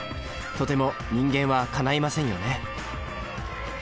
とても人間はかないませんよね